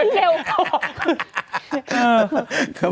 เร็วของ